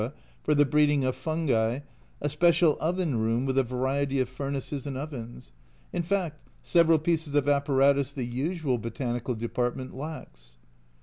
for the breeding of fungi, a special oven room with a variety of furnaces and ovens in fact, several pieces of apparatus the usual Botanical Department lacks.